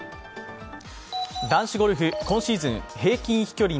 男子ゴルフ、今シーズン平均飛距離